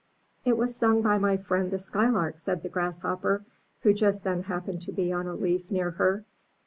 "It was sung by my friend, the Skylark," said the Grass hopper, who just then hap pened to be on a leaf near her.